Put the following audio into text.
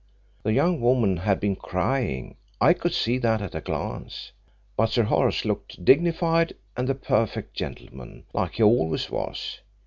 The young woman had been crying I could see that at a glance but Sir Horace looked dignified and the perfect gentleman like he always was.